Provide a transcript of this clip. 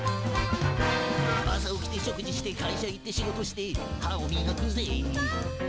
「朝起きて食事して会社行って仕事して歯をみがくぜ」